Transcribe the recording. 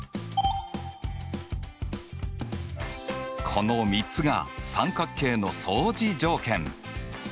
この３つが三角形の相似条件！